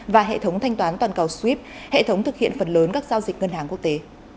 và hệ thống thanh toán toàn cầu streap hệ thống thực hiện phần lớn các giao dịch ngân hàng quốc tế